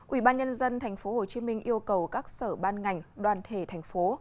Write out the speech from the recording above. ủy ban nhân dân tp hcm yêu cầu các sở ban ngành đoàn thể thành phố